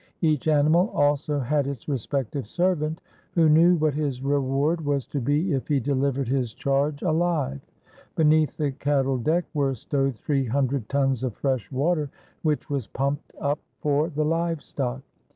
Each animal also had its respective servant, who knew what his reward was to be if he delivered his charge alive. Beneath the cattle deck were stowed three hundred tuns of fresh water, which was pumped up for the live stock.